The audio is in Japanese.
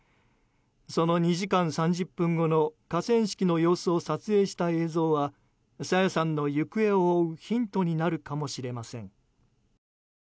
その２時間３０分後の河川敷の様子を撮影した映像は朝芽さんの行方を追うヒントになるかもしれません。